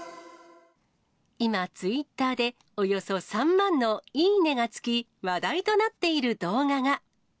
今、ツイッターで、およそ３万のいいねがつき、話題となっている動画が。